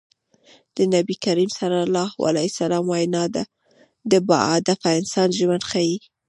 د نبي کريم ص وينا د باهدفه انسان ژوند ښيي.